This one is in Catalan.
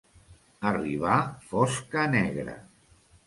Arribar fosca negra.